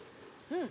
うん。